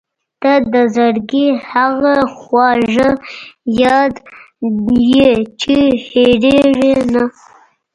• ته د زړګي هغه خواږه یاد یې چې هېرېږي نه.